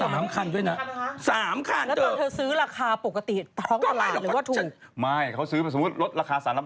เพราะว่าเพื่อนที่ขายกับเป็นเพื่อนตั้งแต่สมัยเด็ก